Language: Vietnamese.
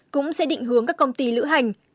cũng sẽ định hướng các công ty lữ hành